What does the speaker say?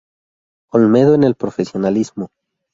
Olmedo en el profesionalismo.